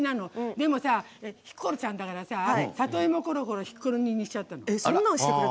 でも、ヒッコロちゃんだから「里芋コロコロヒッコロ煮ー」にしちゃったの。